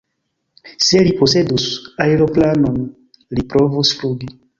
Se li posedus aeroplanon, li provus flugi.